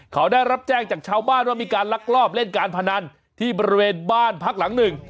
เขาได้รับแจ้งจากชาวบ้านว่ามีการลักลอบเล่นการพนันที่บริเวณบ้านพักหลังหนึ่ง